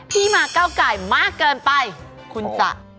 ที่มาเก้าไก่มากเกินไปคุณจะ